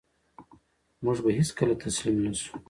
موږ به هېڅکله تسلیم نه شو.